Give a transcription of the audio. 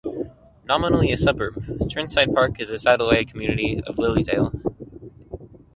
Nominally a suburb, Chirnside Park is a satellite community of Lilydale.